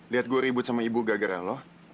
lihat gue ribut sama ibu gagaran loh